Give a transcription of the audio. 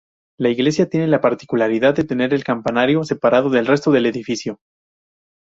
La iglesia tiene la particularidad de tener el campanario separado del resto del edificio.